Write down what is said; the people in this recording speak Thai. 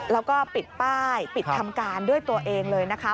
แล้วก็ปิดป้ายปิดทำการด้วยตัวเองเลยนะคะ